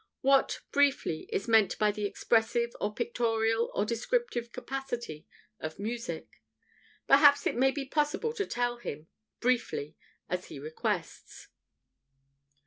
What, briefly, is meant by the 'expressive (or pictorial or descriptive) capacity' of music?" Perhaps it may be possible to tell him "briefly," as he requests.